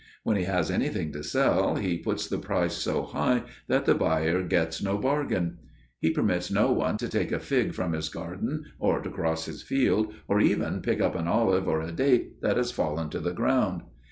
When he has anything to sell he puts the price so high that the buyer gets no bargain. He permits no one to take a fig from his garden or to cross his field, or even pick up an olive or a date that has fallen to the ground.